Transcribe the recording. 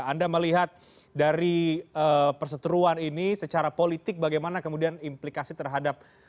anda melihat dari perseteruan ini secara politik bagaimana kemudian implikasi terhadap